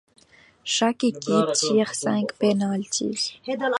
Chaque équipe tire cinq penalties.